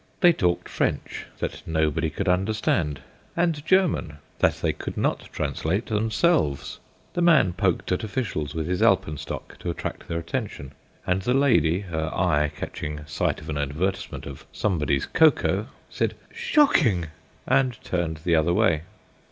They talked French that nobody could understand, and German that they could not translate themselves! The man poked at officials with his alpenstock to attract their attention, and the lady, her eye catching sight of an advertisement of somebody's cocoa, said "Shocking!" and turned the other way.